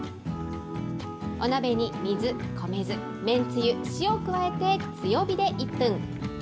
お鍋に水、米酢、めんつゆ、塩を加えて強火で１分。